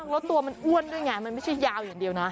แล้วตัวมันอ้วนด้วยไงมันไม่ใช่ยาวอย่างเดียวนะ